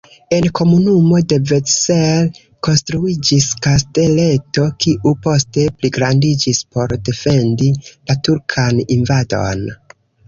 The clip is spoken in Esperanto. En komunumo Devecser konstruiĝis kasteleto, kiu poste pligrandiĝis por defendi la turkan invadon.